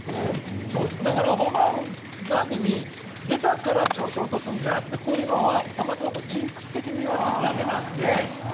だから、ホームランダービーに出たから調子を落とすんじゃなくてこういうのはたまたまジンクス的に言われているだけなので。